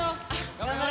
頑張れ！